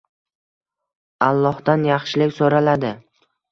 Allohdan yaxshilik so‘raladi.